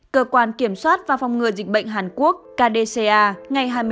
cơ quan kiểm soát và phòng ngừa dịch bệnh hàn quốc kdca ngày hai mươi bốn tháng